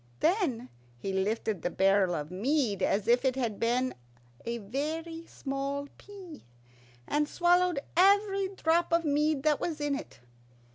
Then he lifted the barrel of mead as if it had been a very small pea, and swallowed every drop of mead that was in it.